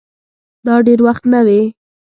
دا دېر وخت نه وې